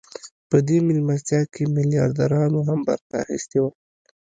په دې مېلمستیا کې میلیاردرانو هم برخه اخیستې وه